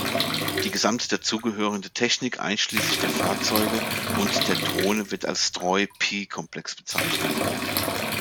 Die gesamte dazugehörende Technik einschließlich der Fahrzeuge und der Drohne wird als Stroi-P-Komplex bezeichnet.